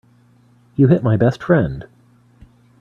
You hit my best friend.